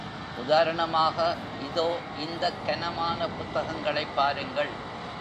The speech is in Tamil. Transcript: உதாரணமாக, இதோ இந்தக் கனமான புத்தகங்களைப் பாருங்கள்!